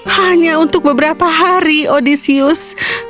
hanya untuk beberapa hari odysius